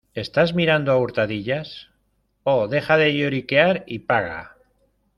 ¿ Estás mirando a_hurtadillas? Oh, deja de lloriquear y paga.